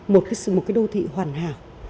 một cái đô thị hoàn hảo